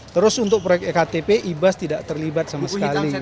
terus untuk proyek ektp ibas tidak terlibat sama sekali